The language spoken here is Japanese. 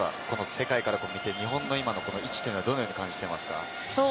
世界から見て、日本の位置をどのように感じていますか？